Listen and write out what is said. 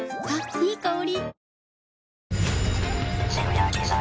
いい香り。